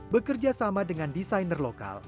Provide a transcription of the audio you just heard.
bekerja sama dengan desainer lokal